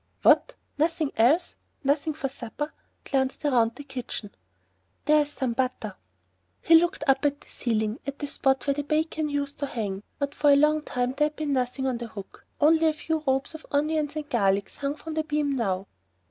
"What? nothing else! Nothing for supper!" He glanced round the kitchen. "There's some butter." He looked up at the ceiling, at the spot where the bacon used to hang, but for a long time there had been nothing on the hook; only a few ropes of onions and garlic hung from the beam now.